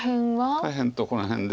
下辺とこの辺で。